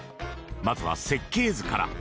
まずは設計図から。